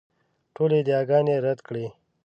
ټولې ادعاګانې رد کړې.